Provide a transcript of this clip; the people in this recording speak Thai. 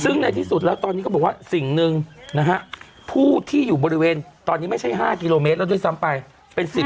ซึ่งในที่สุดแล้วตอนนี้เขาบอกว่าสิ่งหนึ่งนะฮะผู้ที่อยู่บริเวณตอนนี้ไม่ใช่๕กิโลเมตรแล้วด้วยซ้ำไป